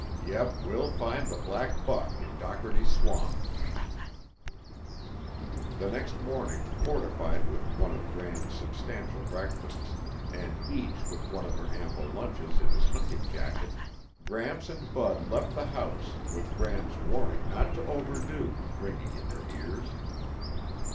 Yep, we'll find the black buck in Dockerty's Swamp." The next morning, fortified with one of Gram's substantial breakfasts, and each with one of her ample lunches in his hunting jacket, Gramps and Bud left the house with Gram's warning not to overdo ringing in their ears.